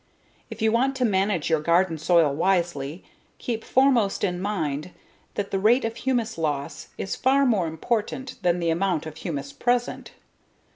If you want to manage your garden soil wisely, keep foremost in mind that the rate of humus loss is far more important than the amount of humus present.